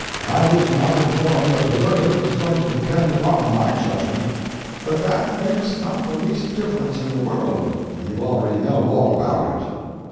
I was not informed that the verdict was going to depend upon my judgment, but that makes not the least difference in the world when you already know all about it.